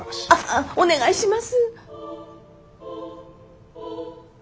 あっお願いします。